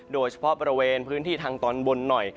โดยเฉพาะบริเวณพื้นที่ทางตอนบนหน่อย